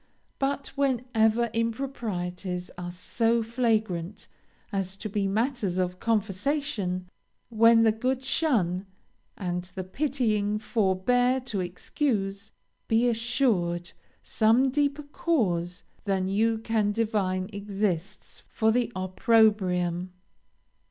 But whenever improprieties are so flagrant as to be matters of conversation; when the good shun, and the pitying forbear to excuse; be assured some deeper cause than you can divine exists for the opprobrium.